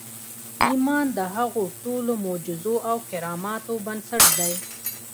ايمان د هغو ټولو معجزو او کراماتو بنسټ دی.